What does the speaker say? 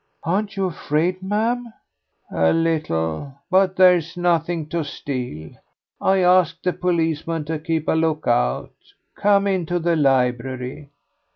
"Aren't you afraid, ma'am?" "A little, but there's nothing to steal. I asked the policeman to keep a look out. Come into the library."